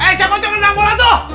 eh siapa tuh yang nendang bola tuh